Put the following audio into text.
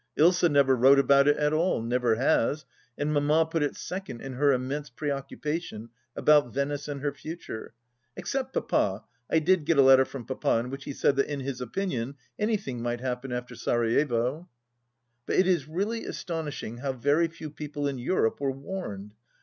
Ilsa never wrote about it at all — never has — and Mamma put it second in her immense pre occupation about Venice and her future. Except Papa —• I did get a letter from Papa in which he said that in his opinion anything might happen, after Sarajevo ! But it is really astonishing how very few people in Europe were warned.